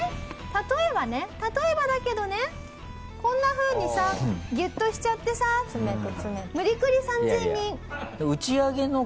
例えばね例えばだけどねこんなふうにさギュッとしちゃってさ無理くり３０００人。